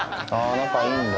仲いいんだ。